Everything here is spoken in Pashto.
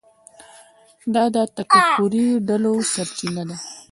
دا د تکفیري ډلو سرچینه ده.